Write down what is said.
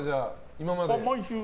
今まで。